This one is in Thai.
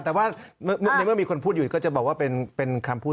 แต่ว่าในเมื่อมีคนพูดอยู่ก็จะบอกว่าเป็นคำพูด